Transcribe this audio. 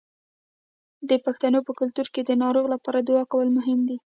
د پښتنو په کلتور کې د ناروغ لپاره دعا کول مهم دي.